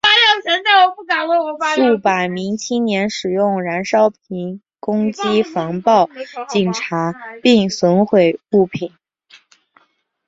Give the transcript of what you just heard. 数百名青年使用燃烧瓶攻击防暴警察并损毁物品。